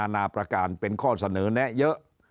นาประการเป็นข้อเสนอแนะเยอะ